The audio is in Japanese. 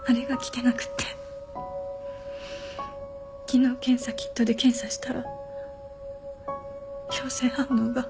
昨日検査キットで検査したら陽性反応が。